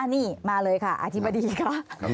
นี่มาเลยค่ะอธิบดีค่ะ